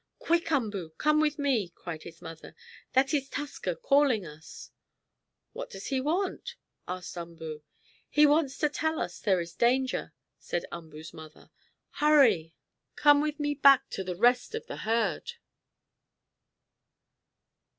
"Quick, Umboo, come with me!" cried his mother. "That is Tusker calling us!" "What does he want?" asked Umboo. "He wants to tell us there is danger!" said Umboo's mother. "Hurry! Come with me back to the rest of the herd!"